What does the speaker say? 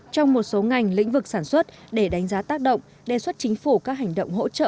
trong một số ngành lĩnh vực sản xuất để đánh giá tác động đề xuất chính phủ các hành động hỗ trợ